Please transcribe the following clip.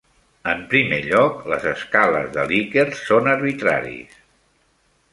En primer lloc, les escales de Likert són arbitraris.